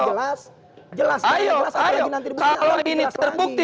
jelas jelas ayo ayo kalau ini terbukti kami ini gmbi gmbi ini siap ketika kita berbukti kita akan berbukti